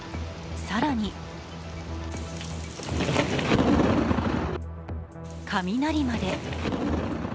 更に雷まで。